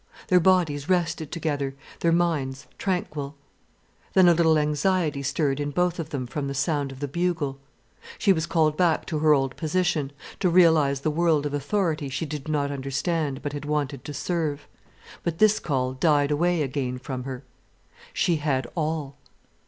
Their bodies rested together, their minds tranquil. Then a little anxiety stirred in both of them from the sound of the bugle. She was called back to her old position, to realize the world of authority she did not understand but had wanted to serve. But this call died away again from her. She had all.